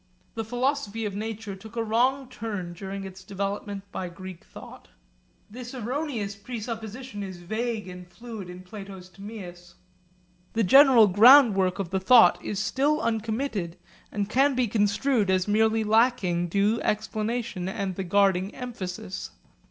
The philosophy of nature took a wrong turn during its development by Greek thought. This erroneous presupposition is vague and fluid in Plato's Timaeus. The general groundwork of the thought is still uncommitted and can be construed as merely lacking due explanation and the guarding emphasis.